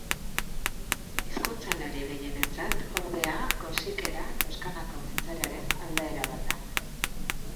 Hizkuntzalari gehienentzat, ordea, korsikera Toskanako mintzairaren aldaera bat da.